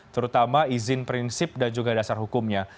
terutama izin prinsip dan juga dasar hukumnya